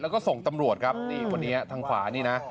แล้วก็ส่งตำรวจครับนี่คนนี้ทางขวานี่นะ